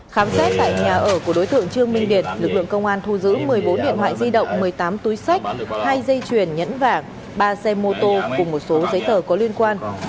khám xét tại nhà ở của đối tượng trương minh điện lực lượng công an thu giữ một mươi bốn điện thoại di động một mươi tám túi sách hai dây chuyền nhẫn vàng ba xe mô tô cùng một số giấy tờ có liên quan